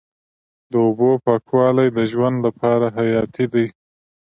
د اوبو پاکوالی د ژوند لپاره حیاتي دی.